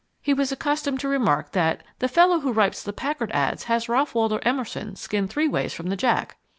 He was accustomed to remark that "the fellow who writes the Packard ads has Ralph Waldo Emerson skinned three ways from the Jack."